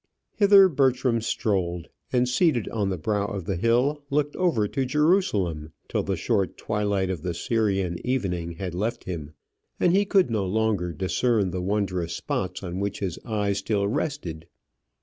Hither Bertram strolled, and, seated on the brow of the hill, looked over to Jerusalem till the short twilight of the Syrian evening had left him, and he could no longer discern the wondrous spots on which his eye still rested.